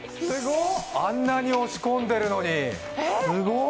あんなに押し込んでるのにすごっ